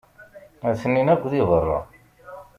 Atenin akk di beṛṛa.